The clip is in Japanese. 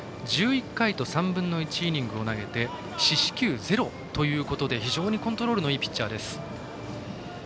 １１回と３分の１イニングで四死球０ということで非常にコントロールのいいピッチャーです。